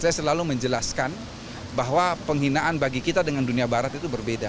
saya selalu menjelaskan bahwa penghinaan bagi kita dengan dunia barat itu berbeda